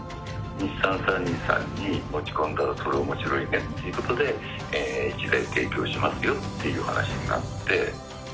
日産サニーさんに持ち込んだら、それおもしろいねっていうことで、１台提供しますっていう話になって。